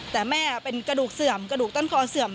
แต่แม่เป็นกระดูกเสื่อมกระดูกต้นคอเสื่อม